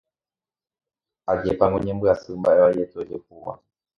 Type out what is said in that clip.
Ajépango ñambyasy mba'e vaiete ojehúva